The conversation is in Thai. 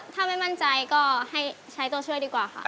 ถ้าไม่มั่นใจก็ให้ใช้ตัวช่วยดีกว่าค่ะ